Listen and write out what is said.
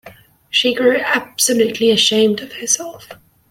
She grew absolutely ashamed of herself.